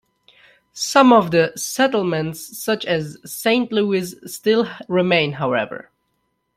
Some of the settlements, such as Saint Louis still remain however.